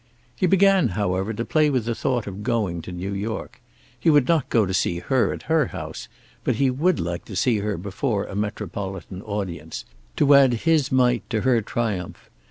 He began, however, to play with the thought of going to New York. He would not go to see her at her house, but he would like to see her before a metropolitan audience, to add his mite to her triumph.